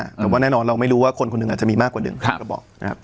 แต่ว่าแน่นอนเราไม่รู้ว่าคนคนหนึ่งอาจจะมีมากกว่า๑กระบอกนะครับ